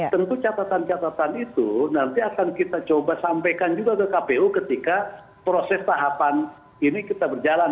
tentu catatan catatan itu nanti akan kita coba sampaikan juga ke kpu ketika proses tahapan ini kita berjalan